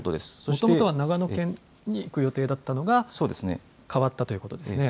もともとは長野に行く予定だったのが変わったということですね。